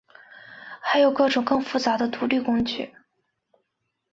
还有各种更复杂的独立工具。